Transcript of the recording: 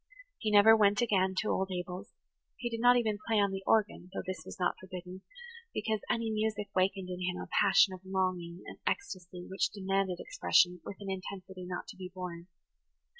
He never went again to old Abel's; he did not even play on the organ, though this was not forbidden, because any music wakened in him a passion of longing and ecstasy which demanded expression with an intensity not to be borne.